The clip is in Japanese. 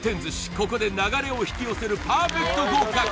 ここで流れを引き寄せるパーフェクト合格